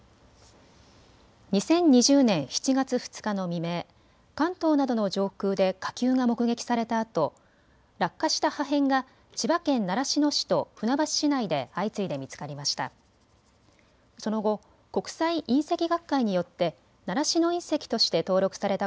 ２０２０年７月２日の未明、関東などの上空で火球が目撃されたあと落下した破片が千葉県習志野市と船橋市内で相次いで見つかりました。